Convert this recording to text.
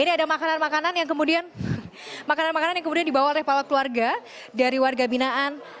ini ada makanan makanan yang kemudian dibawa oleh pahlawan keluarga dari warga binaan